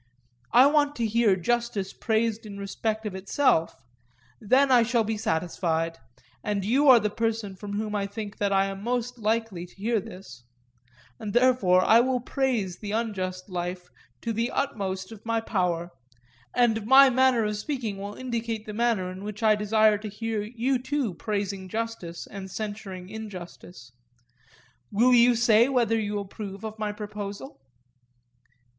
I want to hear justice praised in respect of itself; then I shall be satisfied, and you are the person from whom I think that I am most likely to hear this; and therefore I will praise the unjust life to the utmost of my power, and my manner of speaking will indicate the manner in which I desire to hear you too praising justice and censuring injustice. Will you say whether you approve of my proposal?